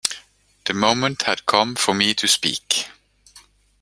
The moment had come for me to speak.